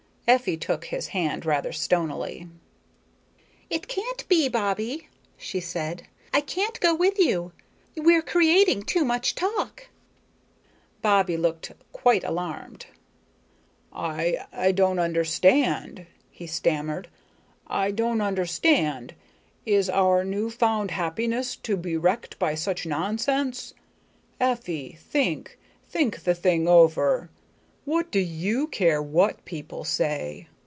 Effie took his hand rather stonily. "It can't be, Bobbie," she said. "I can't go with you. We're creating too much talk." Poor Bobbie looked quite alarmed. "I don't understand," he stammered. "I don't understand. Is our new found happiness to be wrecked by such nonsense? Effie, think think the thing over. What do you care what people say?